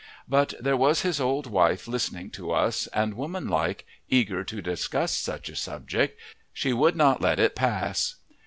But there was his old wife listening to us, and, woman like, eager to discuss such a subject, she would not let it pass.